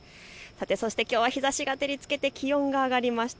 きょうは日ざしが照りつけて気温が上がりました。